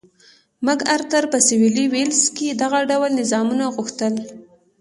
مک ارتر په سوېلي ویلز کې دغه ډول نظامونه غوښتل.